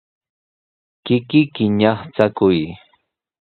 Kikiyki ñaqchakuy.